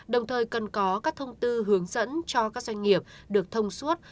đồng thời cần có các thông tư hướng dẫn cho các doanh nghiệp được thông suốt